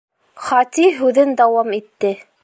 Хати һүҙен дауам итте.